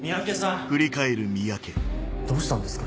どうしたんですか？